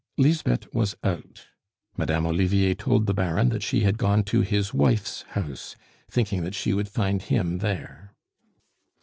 Lisbeth was out. Madame Olivier told the Baron that she had gone to his wife's house, thinking that she would find him there.